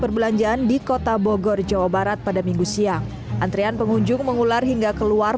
perbelanjaan di kota bogor jawa barat pada minggu siang antrean pengunjung mengular hingga keluar